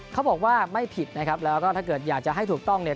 เขาบอกว่าไม่ผิดนะครับแล้วก็ถ้าเกิดอยากจะให้ถูกต้องเนี่ย